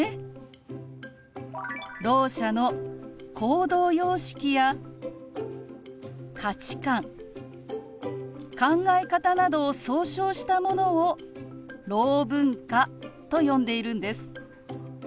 ろう者の行動様式や価値観考え方などを総称したものをろう文化と呼んでいるんです。